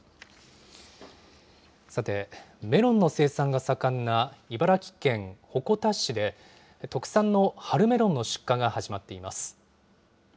さて、メロンの生産が盛んな、茨城県鉾田市で特産の春メロンの出荷が始まっています。